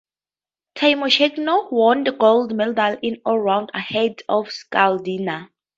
Tymoshenko won the gold medal in All-around ahead of Skaldina.